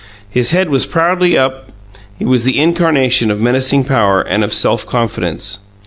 His head was proudly up; he was the incarnation of menacing power and of self confidence.